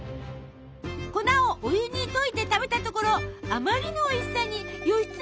粉をお湯に溶いて食べたところあまりのおいしさに義経感激！